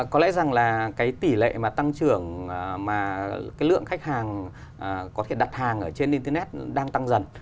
có lẽ rằng là cái tỷ lệ mà tăng trưởng mà cái lượng khách hàng có thể đặt hàng ở trên internet đang tăng dần